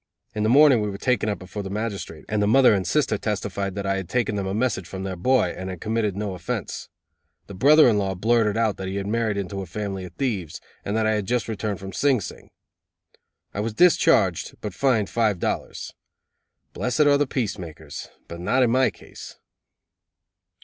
In the morning we were taken before the magistrate, and the mother and sister testified that I had taken them a message from their boy, and had committed no offense. The brother in law blurted out that he had married into a family of thieves, and that I had just returned from Sing Sing. I was discharged, but fined five dollars. Blessed are the peacemakers, but not in my case!